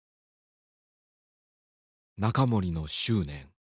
仲盛の執念。